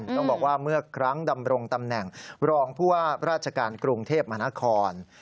ต้องบอกว่าเมื่อครั้งดำรงตำแหน่งรองผู้ว่าราชการกรุงเทพมหานคร